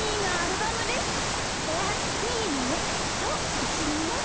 いっしょにみよう！